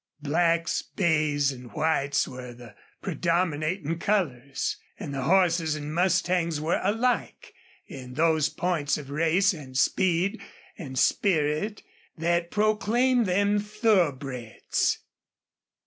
Blacks, bays, and whites were the predominating colors; and the horses and mustangs were alike in those points of race and speed and spirit that proclaimed them thoroughbreds.